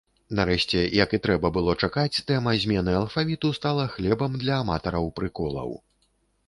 Нарэшце, як і трэба было чакаць, тэма змены алфавіту стала хлебам для аматараў прыколаў.